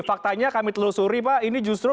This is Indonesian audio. faktanya kami telusuri pak ini justru